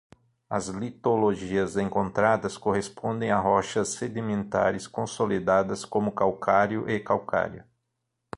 As litologias encontradas correspondem a rochas sedimentares consolidadas como calcário e calcário.